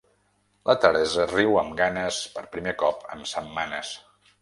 La Teresa riu amb ganes per primer cop en setmanes.